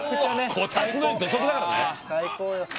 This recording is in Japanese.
こたつの上に土足だからね！